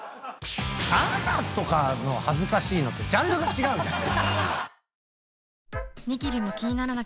あなたとかの恥ずかしいのとジャンルが違うじゃん。